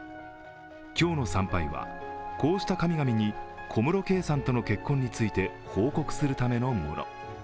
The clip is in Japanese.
今日の参拝は、こうした神々に小室圭さんとの結婚について報告するためのもの。